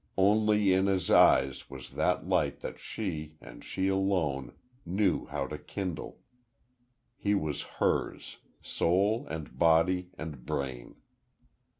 Only, in his eyes was that light that she, and she alone, knew how to kindle.... He was hers, soul, and body, and brain....